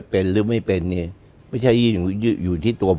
พร้อมเป็นนายก